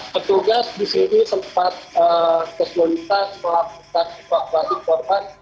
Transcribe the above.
petugas di sini sempat kesulitan melakukan evakuasi korban